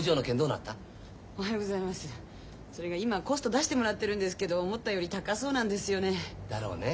それが今コスト出してもらってるんですけど思ったより高そうなんですよね。だろうね。